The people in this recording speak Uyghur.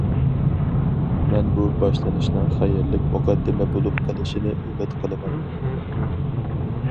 مەن بۇ باشلىنىشنىڭ خەيرلىك مۇقەددىمە بولۇپ قېلىشىنى ئۈمىد قىلىمەن!